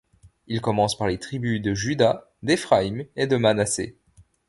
Il commence par les tribus de Juda, d'Éphraïm et de Manassé.